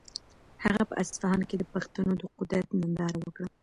هغه په اصفهان کې د پښتنو د قدرت ننداره وکړه.